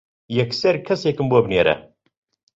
یەکسەر کەسێکم بۆ بنێرە.